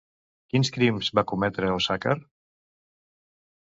Quins crims va cometre Osàcar?